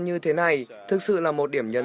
như thế này thực sự là một điểm nhấn